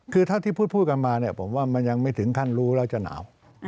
คือเท่าที่พูดกันมาเนี่ยผมว่ามันยังไม่ถึงขั้นรู้แล้วจะหนาว